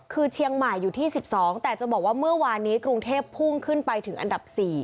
คือเชียงใหม่อยู่ที่๑๒แต่จะบอกว่าเมื่อวานนี้กรุงเทพพุ่งขึ้นไปถึงอันดับ๔